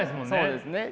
そうですね。